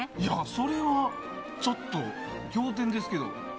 それは、ちょっと仰天ですけど。